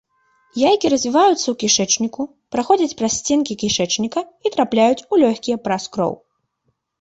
Яйкі развіваюцца ў кішэчніку, праходзяць праз сценкі кішэчніка і трапляюць у лёгкія праз кроў.